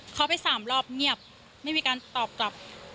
เขาไปสามรอบเงียบไม่มีการตอบกลับ